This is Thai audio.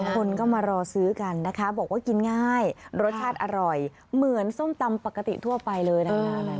คนก็มารอซื้อกันนะคะบอกว่ากินง่ายรสชาติอร่อยเหมือนส้มตำปกติทั่วไปเลยนะคะ